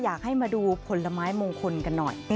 อยากให้มาดูผลไม้มงคลกันหน่อย